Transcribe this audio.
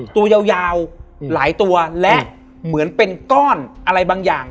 ตัวยาวหลายตัวและเหมือนเป็นก้อนอะไรบางอย่าง